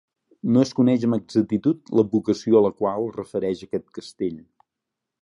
No es coneix amb exactitud l'advocació a la qual es refereix aquest castell.